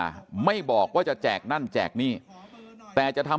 คุณวราวุฒิศิลปะอาชาหัวหน้าภักดิ์ชาติไทยพัฒนา